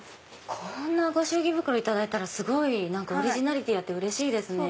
こんなご祝儀袋頂いたらすごいオリジナリティーあってうれしいですね。